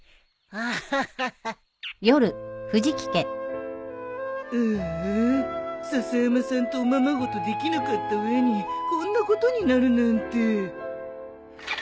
ああ笹山さんとおままごとできなかった上にこんなことになるなんて。